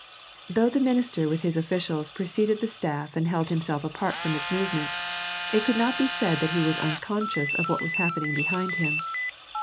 Though the minister with his officials preceded the staff and held himself apart from its movements, it could not be said that he was unconscious of what was happening behind him.